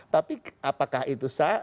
tapi apakah itu sah